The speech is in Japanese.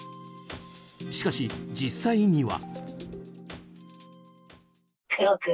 しかし、実際には。